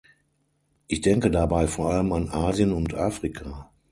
Ich denke dabei vor allem an Asien und Afrika.